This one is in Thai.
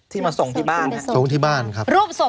ที่มาส่งที่บ้านค่ะ